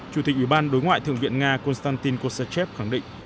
chủ tịch ủy ban đối ngoại thượng viện nga konstantin kosachev khẳng định